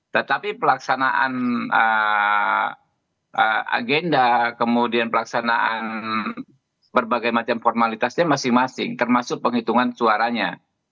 tetapi pelaksanaan agenda kemudian pelaksanaan berbagai macam formalitasnya masing masing termasuk penghitungan suaranya